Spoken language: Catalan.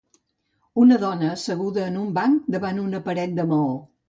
Una dona asseguda en un banc davant d'una paret de maó.